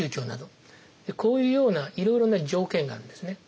こういうようないろいろな条件があるんですね。